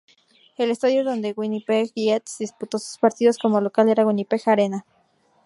El estadio donde Winnipeg Jets disputó sus partidos como local era el Winnipeg Arena.